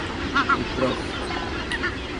El "Prof.